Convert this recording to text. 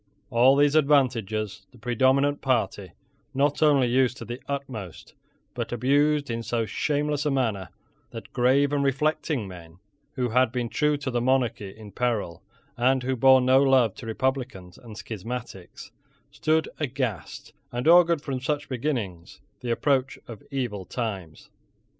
All these advantages the predominant party not only used to the utmost, but abused in so shameless a manner that grave and reflecting men, who had been true to the monarchy in peril, and who bore no love to republicans and schismatics, stood aghast, and augured from such beginnings the approach of evil times.